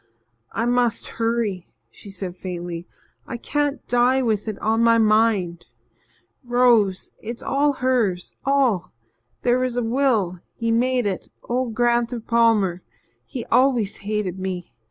"I must hurry," she said faintly. "I can't die with it on my mind. Rose it's all hers all. There was a will he made it old Gran'ther Palmer. He always hated me.